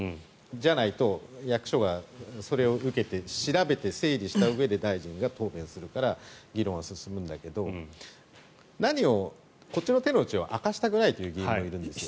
じゃないと、役所はそれを受けて調べて整理したうえで大臣が答弁するから議論は進むんだけどこっちの手の内を明かしたくないという議員もいるんです。